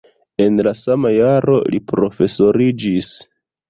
En la sama jaro li profesoriĝis.